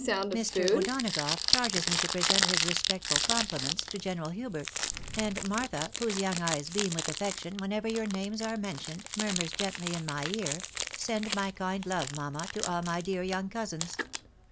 INIr. O'Donagough cliarges me to present his respectful compli ments to General Hubert ; and Martha, whose young eyes beam vdth affection whenever your names are mentioned, murmurs gently in my ear, ' Send my kind lova, mamma, to all my dear young cousins.'